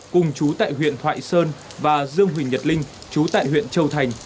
cùng chú tại huyện thoại sơn và dương huỳnh nhật linh chú tại huyện châu thành